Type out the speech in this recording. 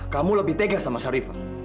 kamu lebih tega sama sharifah